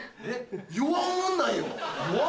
弱おもんないは。